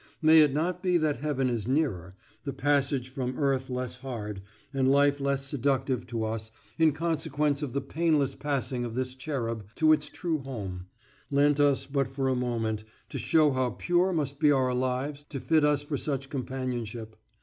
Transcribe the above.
May it not be that heaven is nearer, the passage from earth less hard, and life less seductive to us, in consequence of the painless passing of this cherub to its true home, lent us but for a moment, to show how pure must be our lives to fit us for such companionship?